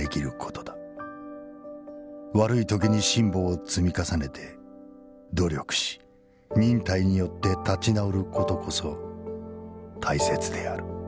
悪い時に辛棒を積み重ねて努力し忍耐によって立直る事こそ大切である」。